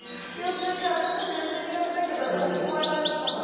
私ちょっと幼虫苦手だけどでも怖いもの見たさで。